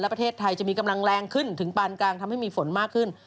ประเทศไทยจะมีกำลังแรงขึ้นถึงปานกลางทำให้มีฝนมากขึ้น